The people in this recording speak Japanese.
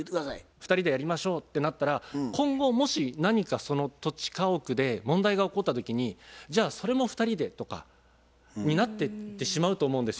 ２人でやりましょうってなったら今後もし何かその土地家屋で問題が起こった時にじゃあそれも２人でとかになってってしまうと思うんですよ。